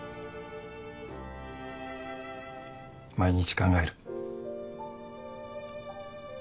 毎日考える。